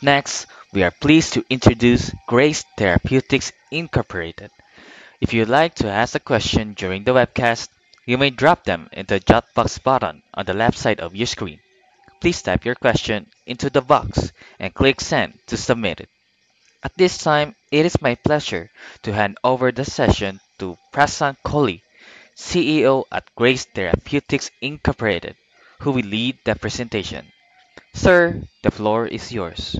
Next, we are pleased to introduce Grace Therapeutics, Inc. If you would like to ask a question during the webcast, you may drop them in the chat box button on the left side of your screen. Please type your question into the box and click "Send" to submit it. At this time, it is my pleasure to hand over the session to Prashant Kohli, CEO at Grace Therapeutics, Inc., who will lead the presentation. Sir, the floor is yours.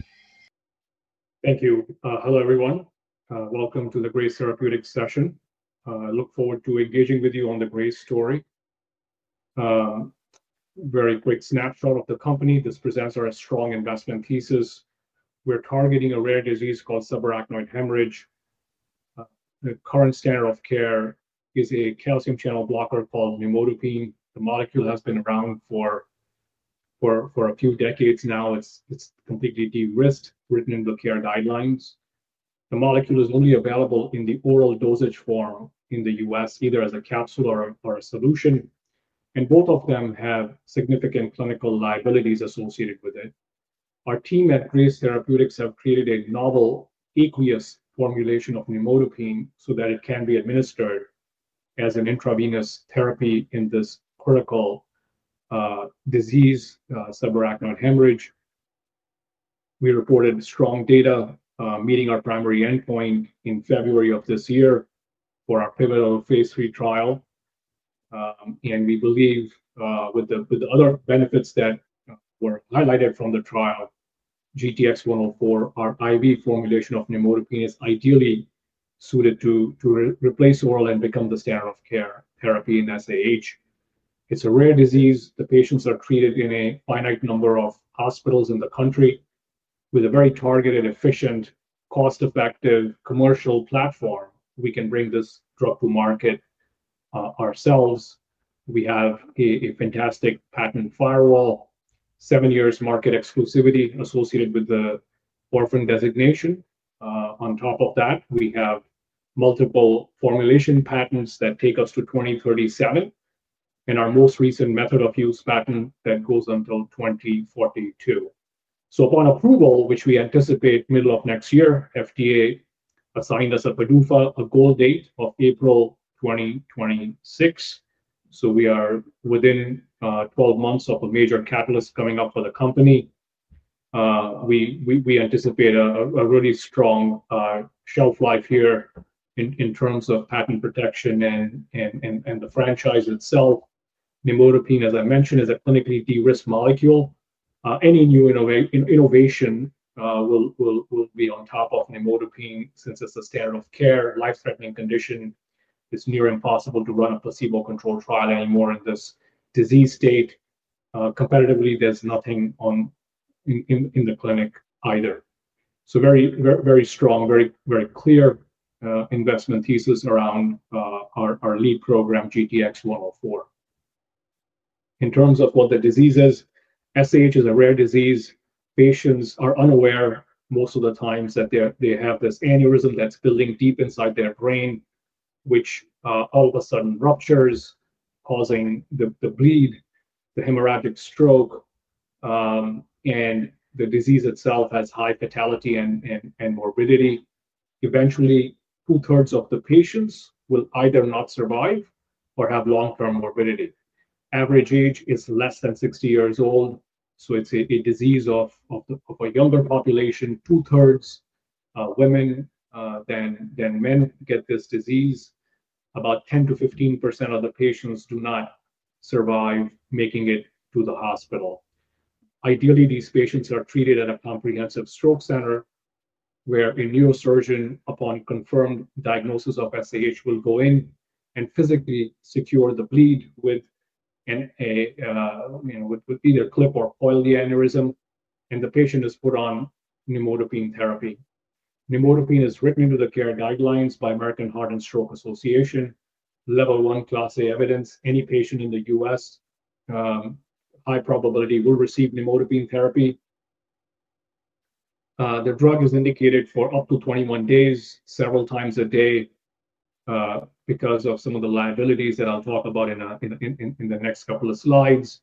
Thank you. Hello, everyone. Welcome to the Grace Therapeutics session. I look forward to engaging with you on the Grace story. A very quick snapshot of the company. This presents our strong investment thesis. We're targeting a rare disease called subarachnoid hemorrhage. The current standard of care is a calcium channel blocker called amlodipine. The molecule has been around for a few decades now. It's completely de-risked, written in the care guidelines. The molecule is only available in the oral dosage form in the U.S., either as a capsule or a solution, and both of them have significant clinical liabilities associated with it. Our team at Grace Therapeutics has created a novel aqueous formulation of amlodipine so that it can be administered as an intravenous therapy in this critical disease, subarachnoid hemorrhage. We reported strong data meeting our primary endpoint in February of this year for our pivotal phase III trial. We believe with the other benefits that were highlighted from the trial, GTX-104, our IV formulation of amlodipine, is ideally suited to replace oral and become the standard of care therapy in SAH. It's a rare disease. The patients are treated in a finite number of hospitals in the country. With a very targeted, efficient, cost-effective commercial platform, we can bring this drug to market ourselves. We have a fantastic patent firewall, seven years market exclusivity associated with the orphan designation. On top of that, we have multiple formulation patents that take us to 2037, and our most recent method of use patent that goes until 2042. Upon approval, which we anticipate middle of next year, FDA assigned us a goal date of April 2026. We are within 12 months of a major catalyst coming up for the company. We anticipate a really strong shelf life here in terms of patent protection and the franchise itself. Amlodipine, as I mentioned, is a clinically de-risked molecule. Any new innovation will be on top of amlodipine since it's a standard of care, life-threatening condition. It's near impossible to run a placebo-controlled trial anymore in this disease state. Competitively, there's nothing in the clinic either. Very, very strong, very, very clear investment thesis around our lead program, GTX-104. In terms of what the disease is, SAH is a rare disease. Patients are unaware most of the time that they have this aneurysm that's building deep inside their brain, which all of a sudden ruptures, causing the bleed, the hemorrhagic stroke, and the disease itself has high fatality and morbidity. Eventually, 2/3 of the patients will either not survive or have long-term morbidity. Average age is less than 60 years old. It's a disease of a younger population. 2/3 of women than men get this disease. About 10%-15% of the patients do not survive, making it to the hospital. Ideally, these patients are treated at a comprehensive stroke center where a neurosurgeon, upon confirmed diagnosis of SAH, will go in and physically secure the bleed with either a clip or coil the aneurysm, and the patient is put on amlodipine therapy. Amlodipine is written into the care guidelines by the American Heart and Stroke Association. Level 1 Class A evidence. Any patient in the U.S., high probability, will receive amlodipine therapy. The drug is indicated for up to 21 days, several times a day because of some of the liabilities that I'll talk about in the next couple of slides.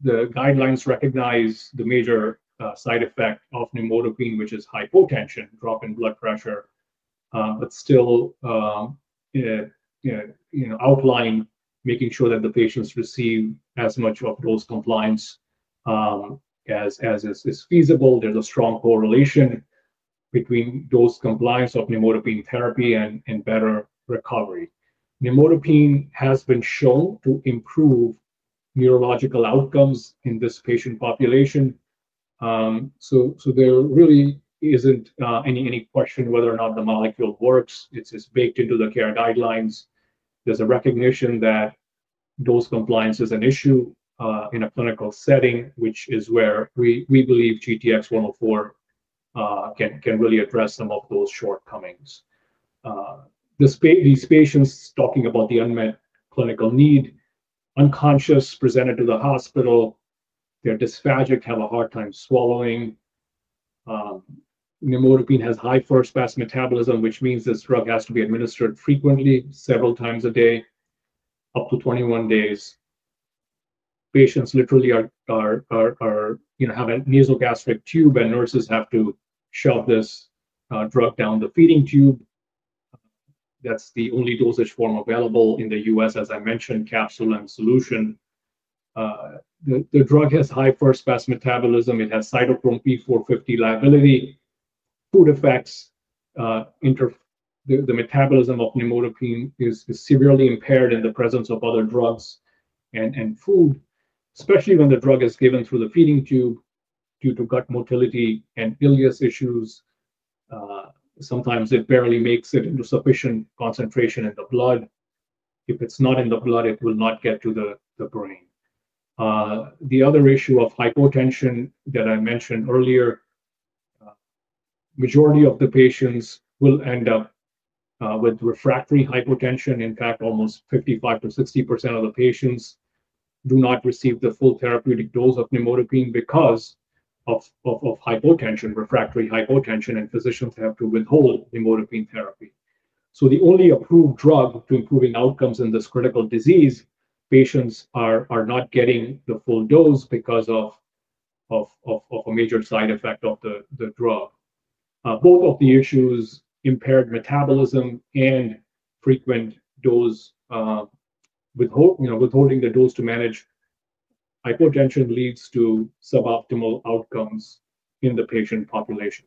The guidelines recognize the major side effect of amlodipine, which is hypotension, drop in blood pressure. It's still outlined, making sure that the patients receive as much of dose compliance as is feasible. There's a strong correlation between dose compliance of amlodipine therapy and better recovery. Amlodipine has been shown to improve neurological outcomes in this patient population. There really isn't any question whether or not the molecule works. It's baked into the care guidelines. There's a recognition that dose compliance is an issue in a clinical setting, which is where we believe GTX-104 can really address some of those shortcomings. These patients talking about the unmet clinical need, unconscious, presented to the hospital, they're dysphagic, have a hard time swallowing. Amlodipine has high first-pass metabolism, which means this drug has to be administered frequently, several times a day, up to 21 days. Patients literally have a nasogastric tube, and nurses have to shove this drug down the feeding tube. That's the only dosage form available in the U.S., as I mentioned, capsule and solution. The drug has high first-pass metabolism. It has cytochrome P450 liability. Food effects, the metabolism of amlodipine is severely impaired in the presence of other drugs and food, especially when the drug is given through the feeding tube due to gut motility and ileus issues. Sometimes it barely makes it into sufficient concentration in the blood. If it's not in the blood, it will not get to the brain. The other issue of hypotension that I mentioned earlier, the majority of the patients will end up with refractory hypotension. In fact, almost 55%-60% of the patients do not receive the full therapeutic dose of amlodipine because of hypotension, refractory hypotension, and physicians have to withhold amlodipine therapy. The only approved drug to improve outcomes in this critical disease, patients are not getting the full dose because of a major side effect of the drug. Both of the issues, impaired metabolism and frequent dose, withholding the dose to manage hypotension, leads to suboptimal outcomes in the patient population.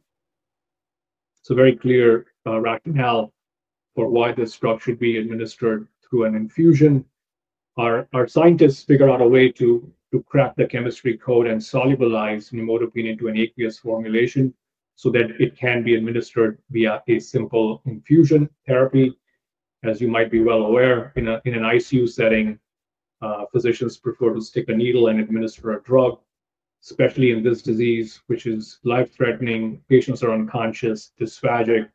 It's a very clear rationale for why this drug should be administered through an infusion. Our scientists figured out a way to crack the chemistry code and solubilize amlodipine into an aqueous formulation so that it can be administered via a simple infusion therapy. As you might be well aware, in an ICU setting, physicians prefer to stick a needle and administer a drug, especially in this disease, which is life-threatening. Patients are unconscious, dysphagic,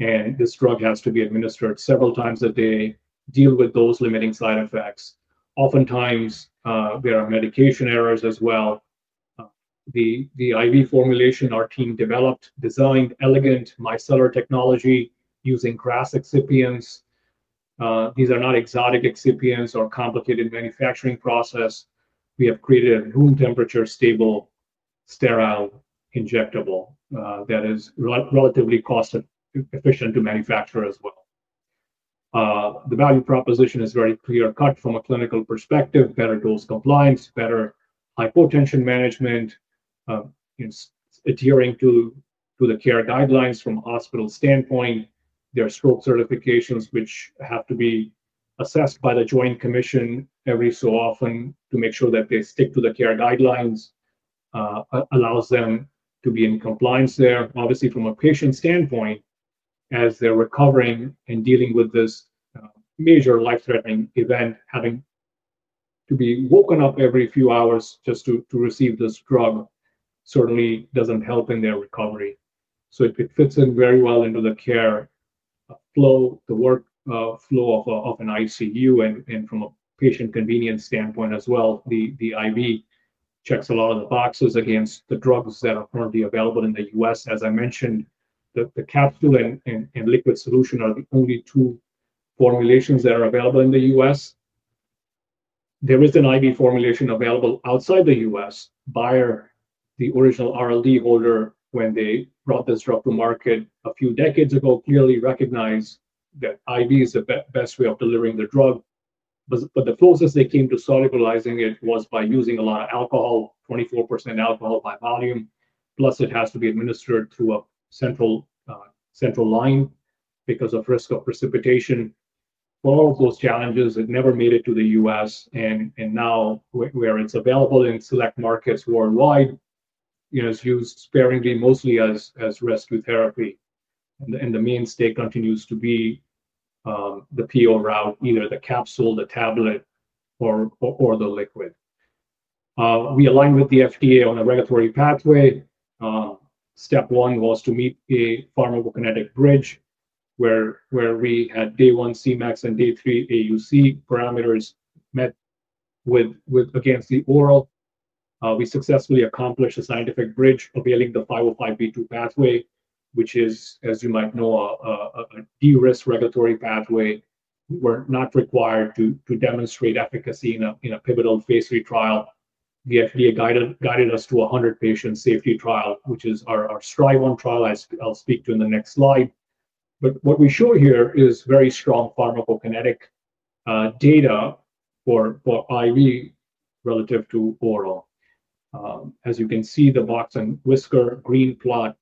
and this drug has to be administered several times a day, deal with those limiting side effects. Oftentimes, there are medication errors as well. The IV formulation our team developed, designed elegant micellar technology using GRAS excipients. These are not exotic excipients or complicated manufacturing process. We have created a room temperature stable, sterile injectable that is relatively cost-efficient to manufacture as well. The value proposition is very clear-cut from a clinical perspective. Better dose compliance, better hypotension management. It's adhering to the care guidelines from a hospital standpoint. There are stroke certifications which have to be assessed by the Joint Commission every so often to make sure that they stick to the care guidelines, allows them to be in compliance there. Obviously, from a patient standpoint, as they're recovering and dealing with this major life-threatening event, having to be woken up every few hours just to receive this drug certainly doesn't help in their recovery. It fits in very well into the care flow, the workflow of an ICU, and from a patient convenience standpoint as well. The IV checks a lot of the boxes against the drugs that are currently available in the U.S. As I mentioned, the capsule and liquid solution are the only two formulations that are available in the U.S. There is an IV formulation available outside the U.S. Bayer, the original RLD holder, when they brought this drug to market a few decades ago, clearly recognized that IV is the best way of delivering the drug. The closest they came to solubilizing it was by using a lot of alcohol, 24% alcohol by volume. Plus, it has to be administered through a central line because of risk of precipitation. For all of those challenges, it never made it to the U.S. Where it's available in select markets worldwide, it is used sparingly, mostly as rescue therapy. The mainstay continues to be the PO route, either the capsule, the tablet, or the liquid. We align with the FDA on a regulatory pathway. Step one was to meet a pharmacokinetic bridge where we had day one Cmax and day three AUC parameters met against the oral. We successfully accomplished a scientific bridge availing the 505(b)(2) pathway, which is, as you might know, a de-risk regulatory pathway. We're not required to demonstrate efficacy in a pivotal phase III trial. The FDA guided us to a 100-patient safety trial, which is our STRIVE-ON trial I'll speak to in the next slide. What we show here is very strong pharmacokinetic data for IV relative to oral. As you can see, the box and whisker, green plot,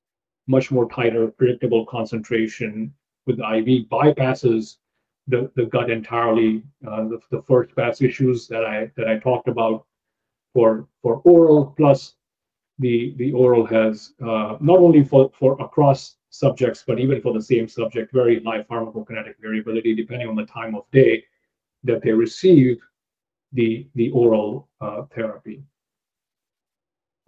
much more tighter, predictable concentration with the IV bypasses the gut entirely, the first-pass issues that I talked about for oral. Plus, the oral has not only for across subjects, but even for the same subject, very high pharmacokinetic variability depending on the time of day that they receive the oral therapy.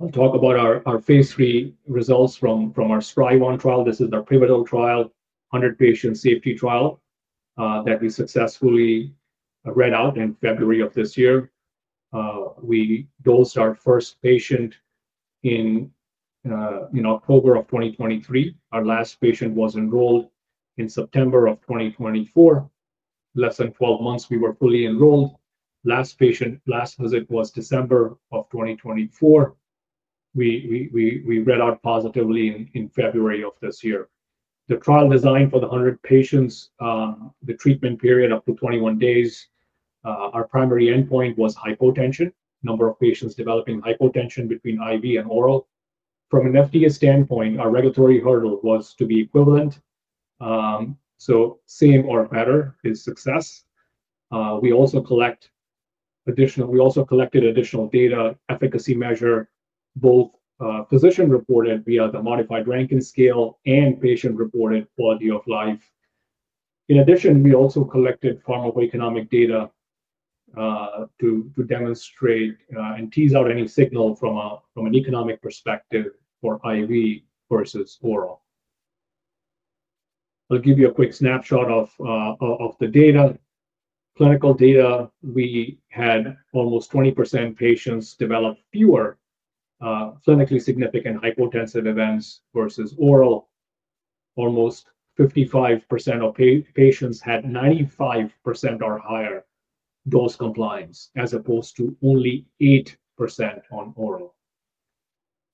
I'll talk about our phase III results from our STRIVE-ON trial. This is our pivotal trial, 100-patient safety trial that we successfully read out in February of this year. We dosed our first patient in October of 2023. Our last patient was enrolled in September of 2024. Less than 12 months, we were fully enrolled. Last patient, last visit was December of 2024. We read out positively in February of this year. The trial designed for the 100 patients, the treatment period up to 21 days. Our primary endpoint was hypotension, number of patients developing hypotension between IV and oral. From an FDA standpoint, our regulatory hurdle was to be equivalent. Same or better is success. We also collected additional data, efficacy measure, both physician-reported via the modified Rankin scale and patient-reported quality of life. In addition, we also collected pharmaco-economic data to demonstrate and tease out any signal from an economic perspective for IV versus oral. I'll give you a quick snapshot of the data. Clinical data, we had almost 20% patients develop fewer clinically significant hypotensive events versus oral. Almost 55% of patients had 95% or higher dose compliance as opposed to only 8% on oral.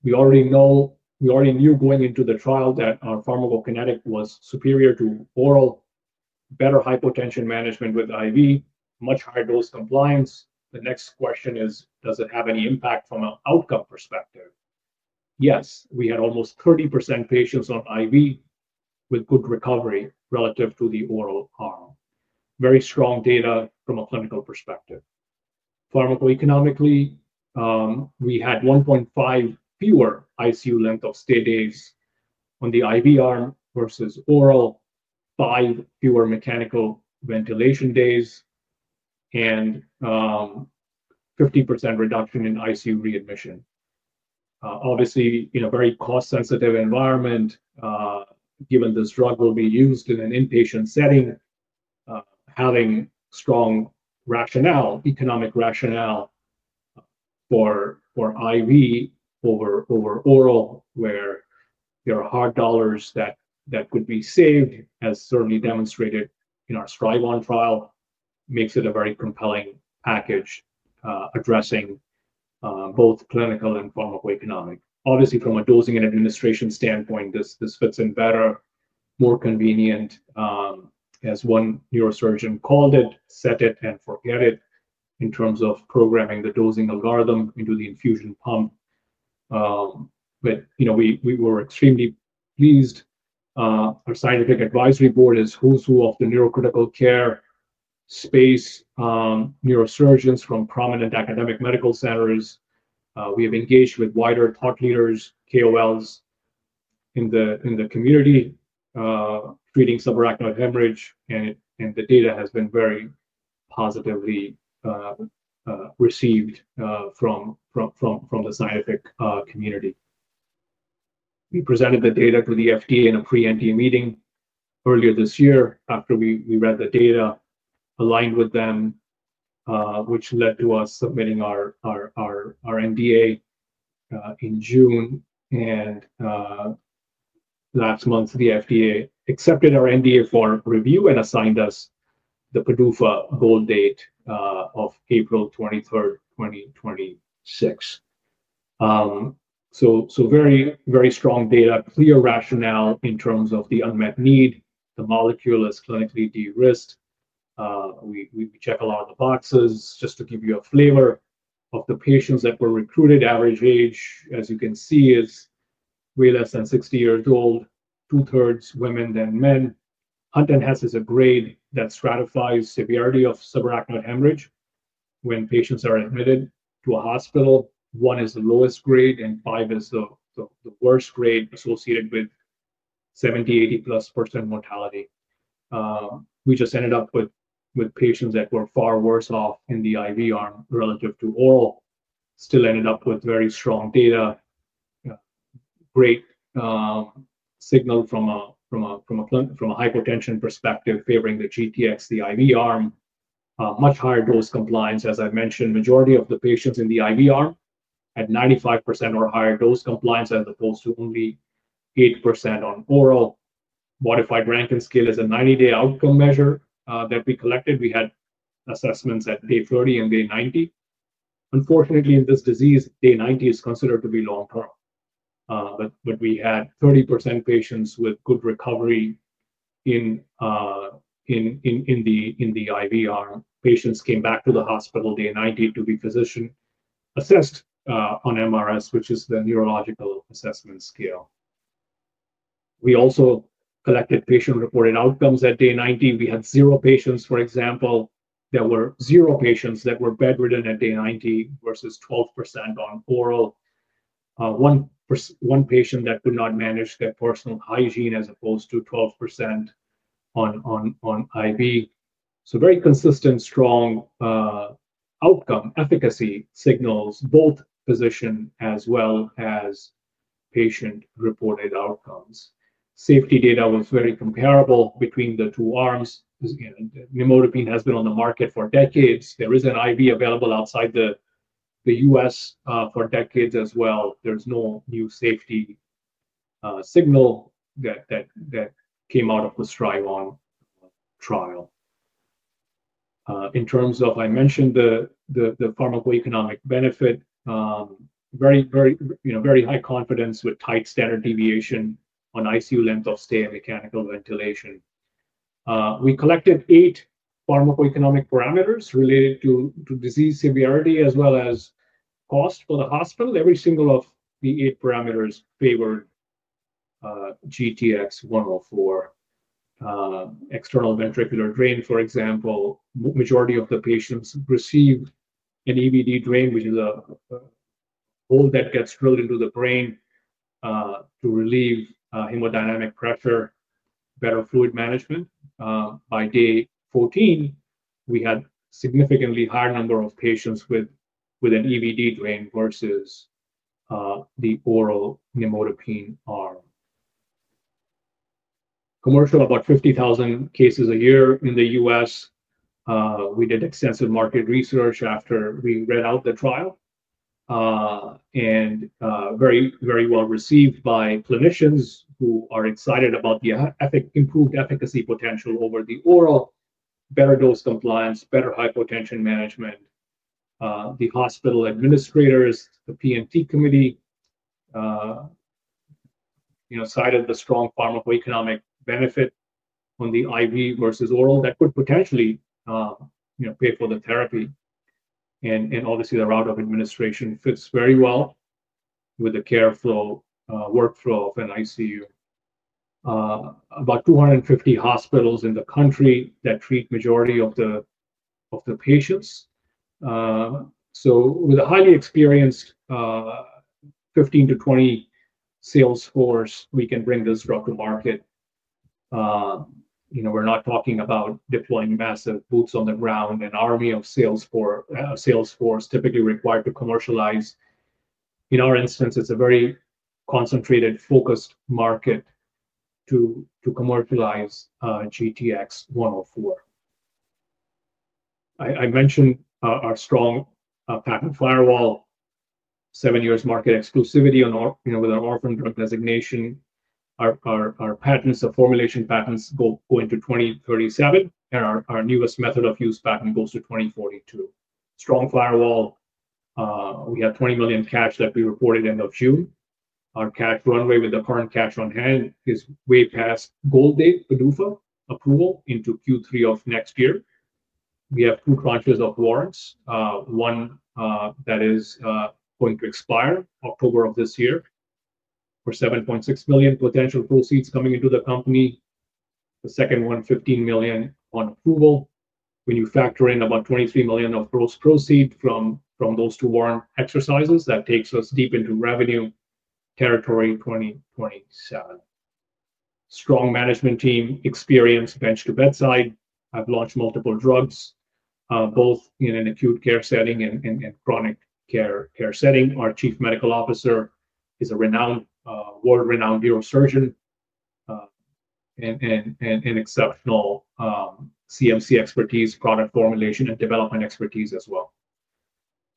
We already knew going into the trial that our pharmacokinetic was superior to oral, better hypotension management with IV, much higher dose compliance. The next question is, does it have any impact from an outcome perspective? Yes. We had almost 30% patients on IV with good recovery relative to the oral trial. Very strong data from a clinical perspective. Pharmaco-economically, we had 1.5 fewer ICU length of stay days on the IV arm versus oral, five fewer mechanical ventilation days, and 50% reduction in ICU readmission. Obviously, in a very cost-sensitive environment, given this drug will be used in an inpatient setting, having strong economic rationale for IV over oral, where there are hard dollars that could be saved, as certainly demonstrated in our STRIVE-ON trial, makes it a very compelling package addressing both clinical and pharmaco-economic. Obviously, from a dosing and administration standpoint, this fits in better, more convenient, as one neurosurgeon called it, set it, and forget it in terms of programming the dosing algorithm into the infusion pump. We were extremely pleased. Our Scientific Advisory Board is who's who of the neurocritical care space, neurosurgeons from prominent academic medical centers. We have engaged with wider thought leaders, KOLs in the community treating subarachnoid hemorrhage, and the data has been very positively received from the scientific community. We presented the data to the FDA in a pre-NDA meeting earlier this year after we read the data, aligned with them, which led to us submitting our NDA in June. Last month, the FDA accepted our NDA for review and assigned us the PDUFA goal date of April 23, 2026. Very, very strong data, clear rationale in terms of the unmet need. The molecule is clinically de-risked. We check a lot of the boxes just to give you a flavor of the patients that were recruited. Average age, as you can see, is way less than 60 years old, 2/3 women than men. UTNHEST is a grade that stratifies the severity of subarachnoid hemorrhage when patients are admitted to a hospital. One is the lowest grade, and five is the worst grade associated with 70%, 80%+ mortality. We just ended up with patients that were far worse off in the IV arm relative to oral. Still ended up with very strong data. Great signal from a hypotension perspective, favoring the GTX, the IV arm. Much higher dose compliance, as I mentioned. Majority of the patients in the IV arm had 95% or higher dose compliance as opposed to only 8% on oral. Modified Rankin scale is a 90-day outcome measure that we collected. We had assessments at day 30 and day 90. Unfortunately, in this disease, day 90 is considered to be long-term. We had 30% patients with good recovery in the IV arm. Patients came back to the hospital day 90 to be physician-assessed on MRS, which is the neurological assessment scale. We also collected patient-reported outcomes at day 90. We had zero patients, for example. There were zero patients that were bedridden at day 90 versus 12% on oral. One patient that could not manage their personal hygiene as opposed to 12% on IV. Very consistent, strong outcome, efficacy signals both physician as well as patient-reported outcomes. Safety data was very comparable between the two arms. Amlodipine has been on the market for decades. There is an IV available outside the U.S. for decades as well. There's no new safety signal that came out of the STRIVE-ON trial. In terms of, I mentioned the pharmaco-economic benefit, very high confidence with tight standard deviation on ICU length of stay and mechanical ventilation. We collected eight pharmaco-economic parameters related to disease severity as well as cost for the hospital. Every single of the eight parameters favored GTX-104. External ventricular drain, for example, the majority of the patients received an EVD drain, which is a hole that gets drilled into the brain to relieve hemodynamic pressure, better fluid management. By day 14, we had a significantly higher number of patients with an EVD drain versus the oral amlodipine arm. Commercial, about 50,000 cases a year in the U.S. We did extensive market research after we read out the trial and very, very well received by clinicians who are excited about the improved efficacy potential over the oral, better dose compliance, better hypotension management. The hospital administrators, the PMT committee cited the strong pharmaco-economic benefit on the IV versus oral that could potentially pay for the therapy. Obviously, the route of administration fits very well with the care flow, workflow of an ICU. About 250 hospitals in the country that treat the majority of the patients. With a highly experienced 15-20 sales force, we can bring this drug to market. We're not talking about deploying massive boots on the ground, an army of sales force typically required to commercialize. In our instance, it's a very concentrated, focused market to commercialize GTX-104. I mentioned our strong patent firewall, seven years market exclusivity with our orphan drug designation. Our patents, the formulation patents go into 2037, and our newest method of use patent goes to 2042. Strong firewall. We have $20 million cash that we reported at the end of June. Our cash runway with the current cash on hand is way past goal date, PDUFA approval into Q3 of next year. We have two tranches of warrants. One that is going to expire October of this year for $7.6 million potential proceeds coming into the company. The second one, $15 million on approval. When you factor in about $23 million of those proceeds from those two warrant exercises, that takes us deep into revenue territory in 2027. Strong management team, experienced, bench to bedside. I've launched multiple drugs, both in an acute care setting and in a chronic care setting. Our Chief Medical Officer is a world-renowned neurosurgeon and exceptional CMC expertise, product formulation, and development expertise as well.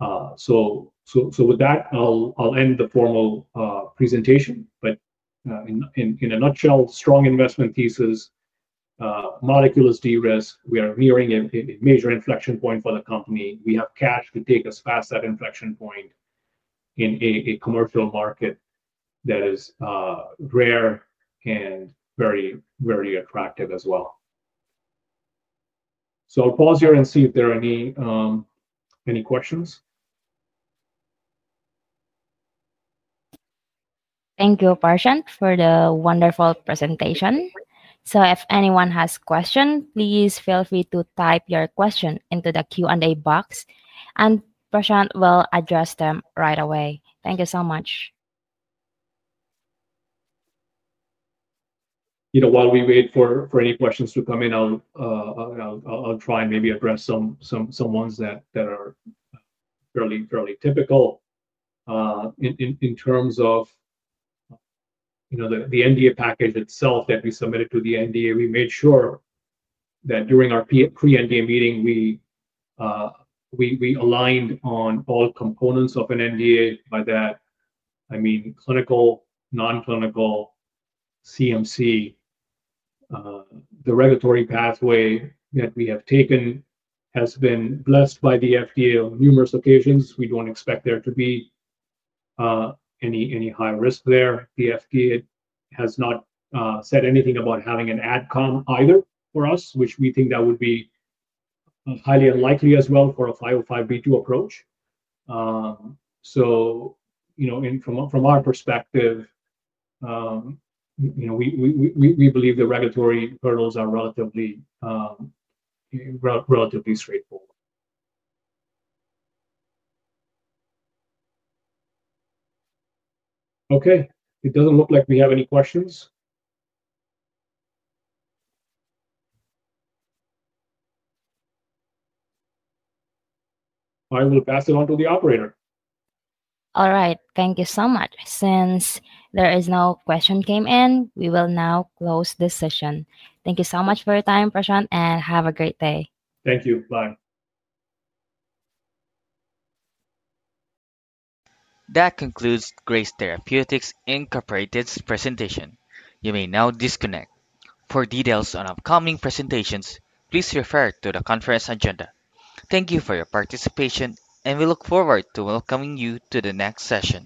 With that, I'll end the formal presentation. In a nutshell, strong investment thesis, molecule is de-risk. We are nearing a major inflection point for the company. We have cash to take us past that inflection point in a commercial market that is rare and very, very attractive as well. I'll pause here and see if there are any questions. Thank you, Prashant, for the wonderful presentation. If anyone has questions, please feel free to type your question into the Q&A box, and Prashant will address them right away. Thank you so much. While we wait for any questions to come in, I'll try and maybe address some ones that are fairly typical. In terms of the NDA package itself that we submitted to the FDA, we made sure that during our pre-NDA meeting, we aligned on all components of an NDA. By that, I mean clinical, non-clinical, CMC. The regulatory pathway that we have taken has been blessed by the FDA on numerous occasions. We don't expect there to be any high risk there. The FDA has not said anything about having an adcom either for us, which we think that would be highly unlikely as well for a 505(b)(2) approach. You know from our perspective, we believe the regulatory hurdles are relatively straightforward. Okay. It doesn't look like we have any questions. I will pass it on to the operator. All right. Thank you so much. Since there is no question came in, we will now close this session. Thank you so much for your time, Prashant, and have a great day. Thank you. Bye. That concludes Grace Therapeutics, Inc.'s Presentation. You may now disconnect. For details on upcoming presentations, please refer to the conference agenda. Thank you for your participation, and we look forward to welcoming you to the next session.